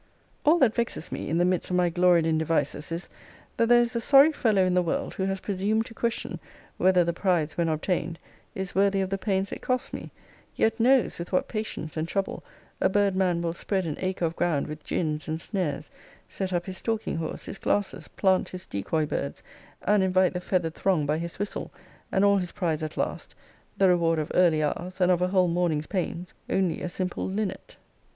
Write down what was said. All that vexes me, in the midst of my gloried in devices, is, that there is a sorry fellow in the world, who has presumed to question, whether the prize, when obtained, is worthy of the pains it costs me: yet knows, with what patience and trouble a bird man will spread an acre of ground with gins and snares; set up his stalking horse, his glasses; plant his decoy birds, and invite the feathered throng by his whistle; and all his prize at last (the reward of early hours, and of a whole morning's pains) only a simple linnet.